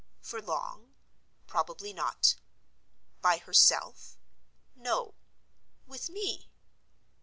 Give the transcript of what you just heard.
For long? Probably not. By herself? No. With me?